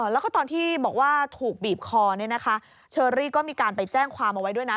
แล้วก็ตอนที่บอกว่าถูกบีบคอเนี่ยนะคะเชอรี่ก็มีการไปแจ้งความเอาไว้ด้วยนะ